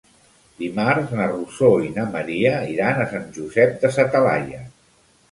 Dimarts na Rosó i na Maria iran a Sant Josep de sa Talaia.